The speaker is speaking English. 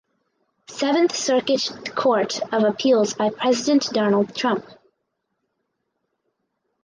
Seventh Circuit Court of Appeals by President Donald Trump.